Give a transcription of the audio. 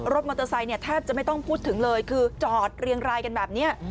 รถมอเตอร์ไซค์เนี่ยแทบจะไม่ต้องพูดถึงเลยคือจอดเรียงรายกันแบบนี้